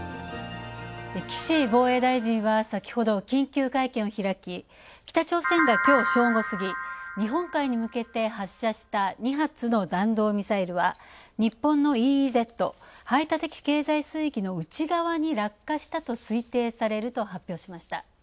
岸防衛大臣は先ほど緊急会見を開き北朝鮮がきょう正午過ぎ日本海に向けて発射した２発の弾道ミサイルは日本のＥＥＺ＝排他的経済水域の内側に落下したと推定されると発表しました。